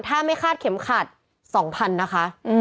ถ้าไม่คาดเข็มขัด๒๐๐๐นะคะ